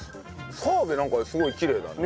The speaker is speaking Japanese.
澤部なんかすごいきれいだね。